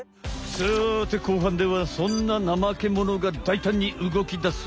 さて後半ではそんなナマケモノがだいたんにうごきだす！